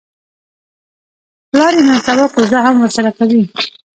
پلار یې نن سبا کوزده هم ورسره کوي.